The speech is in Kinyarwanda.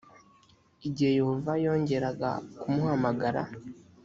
igihe yehova yongeraga kumuhamagara